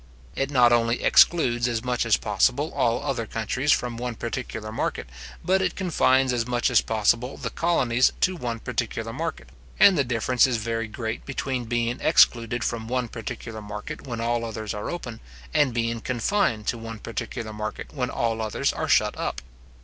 It not only excludes as much as possible all other countries from one particular market, but it confines as much as possible the colonies to one particular market; and the difference is very great between being excluded from one particular market when all others are open, and being confined to one particular market when all others are shut up.